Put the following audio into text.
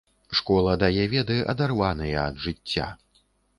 Школа дае веды, адарваныя ад жыцця.